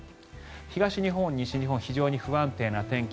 東日本、西日本非常に不安定な天気